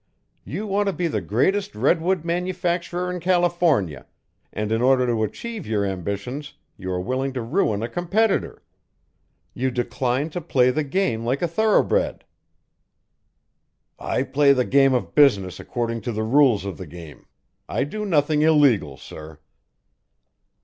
You want to be the greatest redwood manufacturer in California, and in order to achieve your ambitions, you are willing to ruin a competitor: you decline to play the game like a thoroughbred." "I play the game of business according to the rules of the game; I do nothing illegal, sir."